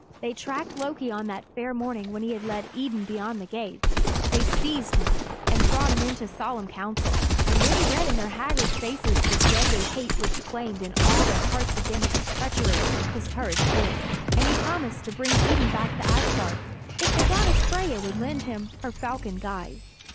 They tracked Loki on that fair morning when he led Idun beyond the gates; they seized him and brought him into solemn council, and when he read in their haggard faces the deadly hate which flamed in all their hearts against his treachery, his courage failed, and he promised to bring Idun back to Asgard if the goddess Freyja would lend him her falcon guise.